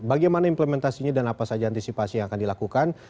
bagaimana implementasinya dan apa saja antisipasi yang akan dilakukan